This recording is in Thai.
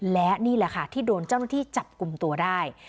และนี่แหละค่ะที่โดนเจ้าหน้าที่จับกลุ่มตัวได้